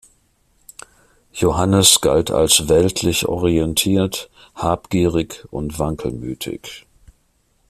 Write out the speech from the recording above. Johannes galt als weltlich orientiert, habgierig und wankelmütig.